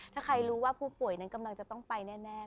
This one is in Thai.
ถ้าใครรู้ว่าผู้ป่วยนั้นกำลังจะต้องไปแน่